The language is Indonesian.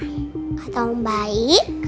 kata om baik